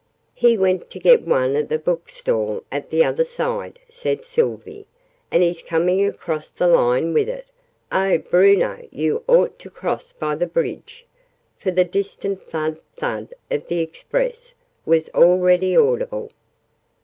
"He went to get one at the book stall at the other side," said Sylvie; "and he's coming across the line with it oh, Bruno, you ought to cross by the bridge!" for the distant thud, thud, of the Express was already audible.